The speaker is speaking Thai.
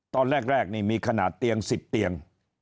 ตอนแรกนี่มีขนาดเตียง๑๐เตียง